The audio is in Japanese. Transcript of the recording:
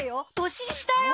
年下よ！